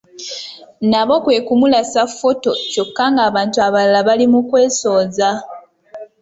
Nabo kwekumulasa foto kyokka ng'abantu abalala bali mu kwesooza.